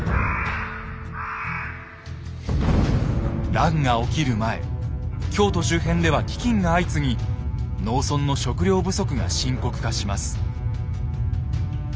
乱が起きる前京都周辺では飢きんが相次ぎ農村の食料不足が深刻化します。